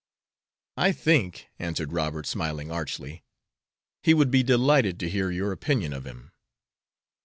"I think," answered Robert, smiling archly, "he would be delighted to hear your opinion of him."